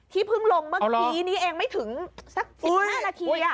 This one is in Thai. ที่เพิ่งลงเมื่อกี้นี่เองไม่ถึงสักักห้าละครีอ่ะเย้อะไรฮะ